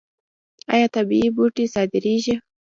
آیا طبیعي بوټي صادریږي؟